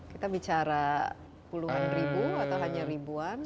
kita bicara puluhan ribu atau hanya ribuan